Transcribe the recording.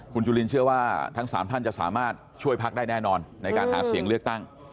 คุณจุลินเชื่อว่าทั้ง๓ท่านจะสามารถช่วยพักได้แน่นอนในการหาเสียงเลือกตั้ง